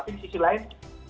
tapi di sisi lain